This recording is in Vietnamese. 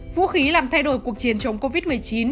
vũ khí làm thay đổi cuộc chiến chống covid một mươi chín